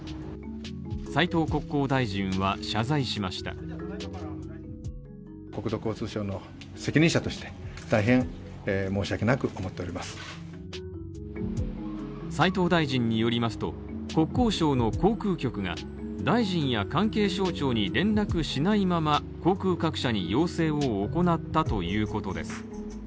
斉藤国交大臣は謝罪しました斉藤大臣によりますと、国交省の航空局が大臣や関係省庁に連絡しないまま航空各社に要請を行ったということです。